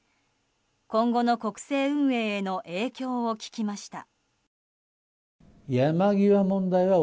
今後の国政運営への影響を聞きました。